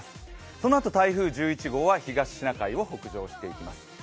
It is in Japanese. そのあと台風１１号は東シナ海を北上していきます。